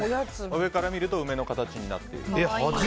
上から見ると梅の形になっている。